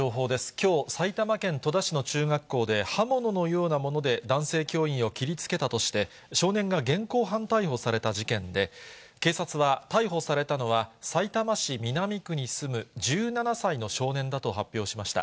きょう、埼玉県戸田市の中学校で刃物のようなもので男性教員を切りつけたとして、少年が現行犯逮捕された事件で、警察は、逮捕されたのはさいたま市南区に住む１７歳の少年だと発表しました。